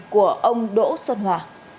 của ông đỗ xuân hòa